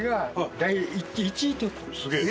すげえ！